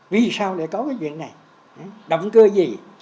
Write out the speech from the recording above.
vì sao lại có cái việc này động cơ gì